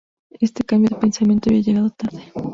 Este cambio de pensamiento había llegado tarde.